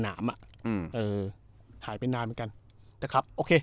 หายไปนานเหมือนกัน